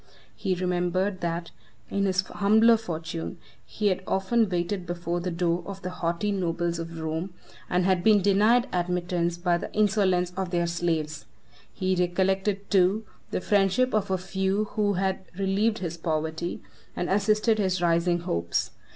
He remembered, that, in his humbler fortune, he had often waited before the door of the haughty nobles of Rome, and had been denied admittance by the insolence of their slaves. He recollected too the friendship of a few who had relieved his poverty, and assisted his rising hopes.